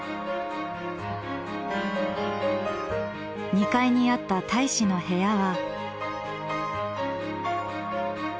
２階にあった大使の部屋は。